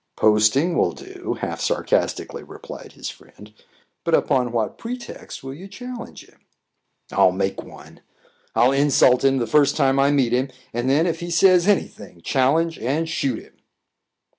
"Posting will do," half sarcastically replied his friend. "But upon what pretext will you challenge him?" "I'll make one. I'll insult him the first time I meet him and then, if he says any thing, challenge and shoot him."